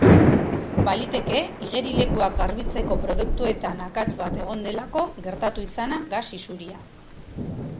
Baliteke igerilekuak garbitzeko produktuetan akats bat egon delako gertatu izana gas isuria.